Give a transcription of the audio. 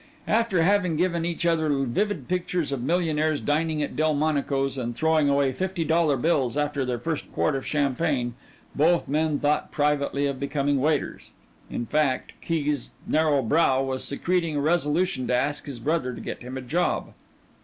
After having given each other vivid pictures of millionaires dining at Delmonico's and throwing away fifty dollar bills after their first quart of champagne, both men thought privately of becoming waiters. In fact, Key's narrow brow was secreting a resolution to ask his brother to get him a job.